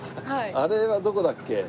あれはどこだっけ？